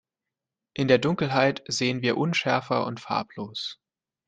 In der Dunkelheit sehen wir unschärfer und farblos.